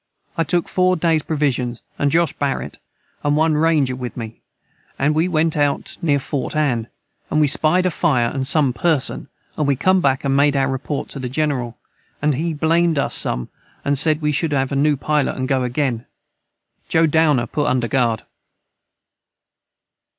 I took 4 days provision & Josh Barrit and one ranjer with me & we went out near fort An and we spied a fire and som person and we com back and made our report to the Jeneral & he blamed us som and said we should have a new pilot and go again. Jo Downer put under guard.